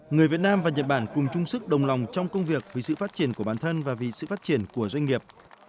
người việt nam và nhật bản cùng chung sức đồng lòng trong công việc vì sự phát triển của bản thân và vì sự phát triển của doanh nghiệp